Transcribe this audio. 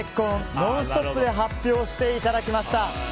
「ノンストップ！」で発表していただきました。